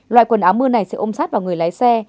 loại quần áo mưa này sẽ ôm sát vào người lái xe